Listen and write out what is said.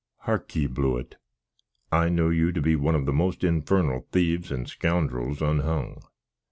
"Heark ye, Blewitt. I know you to be one of the most infernal thieves and scoundrels unhung.